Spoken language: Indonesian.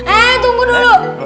eh tunggu dulu